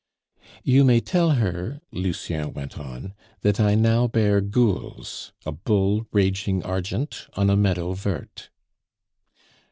"You may tell her," Lucien went on, "that I now bear gules, a bull raging argent on a meadow vert."